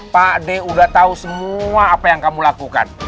pak d udah tahu semua apa yang kamu lakukan